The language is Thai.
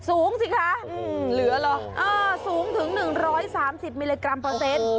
สูงสิคะอืมเหลือหรออ่าสูงถึงหนึ่งร้อยสามสิบมิลลิกรัมเปอร์เซ็นต์